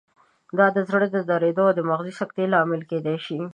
دا د زړه د دریدو او مغزي سکتې لامل کېدای شي.